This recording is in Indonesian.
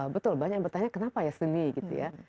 betul banyak yang bertanya kenapa ya seni gitu ya